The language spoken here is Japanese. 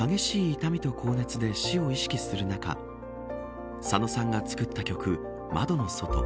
痛みと高熱で死を意識する中佐野さんが作った曲まどのそと。